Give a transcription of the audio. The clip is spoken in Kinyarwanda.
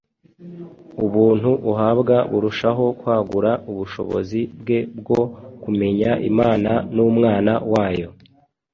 Ubuntu ahabwa burushaho kwagura ubushobozi bwe bwo kumenya Imana n’Umwana wayo.